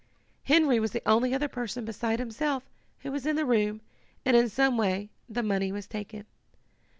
"Henry was the only other person, beside himself, who was in the room, and in some way the money was taken.